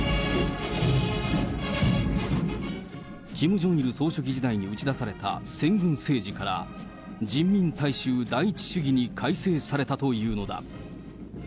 キム・ジョンイル総書記時代に打ち出された先軍政治から、人民大衆第一主義に改正されたというのだ。